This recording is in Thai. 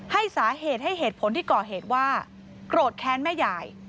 ให้สาเหตุให้เหตุผลที่ก่อเหตุว่าโกรธแค้นแม่ยาย